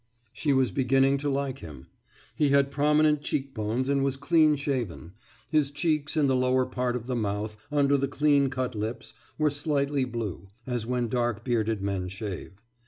« She was beginning to like him. He had prominent cheek bones and was clean shaven; his cheeks and the lower part of the mouth, under the clean cut lips, were slightly blue, as when dark bearded men shave.